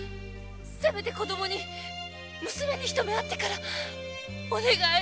せめて子供に娘に一目会ってからお願い